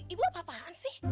ibu apa apaan sih